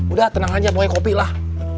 udah tenang aja pokoknya kopi lah